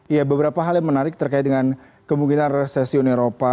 ya beberapa hal yang menarik terkait dengan kemungkinan resesi uni eropa